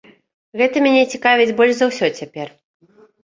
Гэта мяне цікавіць больш за ўсё цяпер.